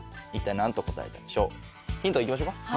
ヒントいきましょうか。